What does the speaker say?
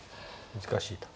難しいと。